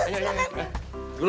semuanya sempat datang lah ya